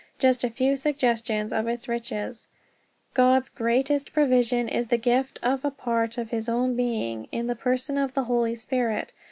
Just a few suggestions of its riches: God's greatest provision is the gift of a part of His Own Being in the person of the Holy Spirit.